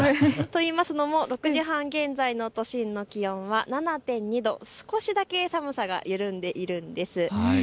といいますのも６時半現在の都心の気温は７．２度、少しだけ寒さが緩んでいるんです。